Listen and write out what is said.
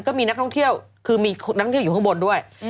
ก็มีนักท่องเที่ยวคือมีนักท่องเที่ยวอยู่ข้างบนด้วย